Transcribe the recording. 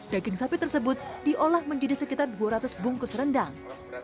daging sapi tersebut diolah menjadi sekitar dua ratus bungkus rendang